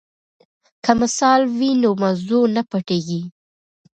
که مثال وي نو موضوع نه پټیږي.